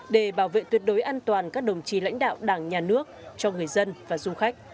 để bảo vệ tuyệt đối an toàn các đồng chí lãnh đạo đảng nhà nước cho người dân và du khách